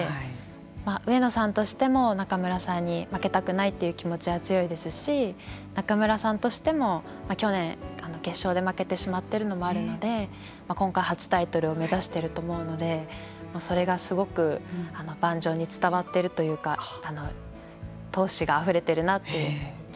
上野さんとしても仲邑さんに負けたくないという気持ちが強いですし仲邑さんとしても去年決勝で負けてしまっているのもあるので今回初タイトルを目指していると思うのでそれがすごく盤上に伝わっているというか闘志があふれてるなと実感しています。